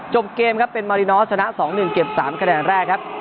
จบเกมครับเป็นมารินอสชนะ๒๑เก็บ๓คะแนนแรกครับ